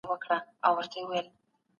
ایا مسلکي بڼوال وچ توت ساتي؟